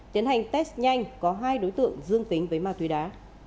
tiến hành test nhanh có hai đối tượng dương tính với màu tùy đá